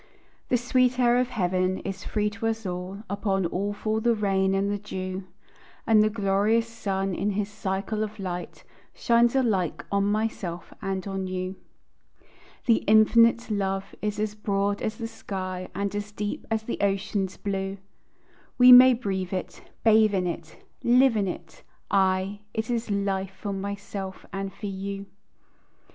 The sweet air of heaven is free to us all; Upon all fall the rain and the dew; And the glorious sun in his cycle of light Shines alike on myself and on you. The infinite love is as broad as the sky, And as deep as the ocean's blue, We may breathe it, bathe in it, live in it, aye, It is life for myself and for you.